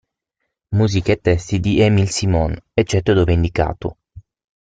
Musica e testi di Émilie Simon, eccetto dove indicato.